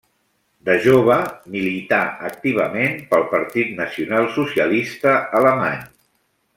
De jove, milità activament pel Partit Nacional Socialista Alemany.